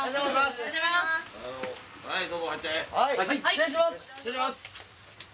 失礼します。